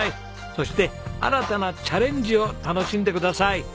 そして新たなチャレンジを楽しんでください。